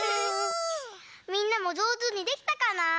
みんなもじょうずにできたかなあ？